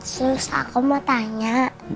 sus aku mau tanya